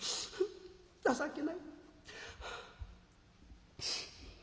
情けない」。